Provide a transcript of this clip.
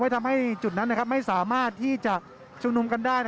ทำให้จุดนั้นไม่สามารถที่จะชุมนุมกันได้